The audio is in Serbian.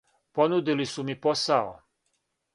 Понудили су ми посао.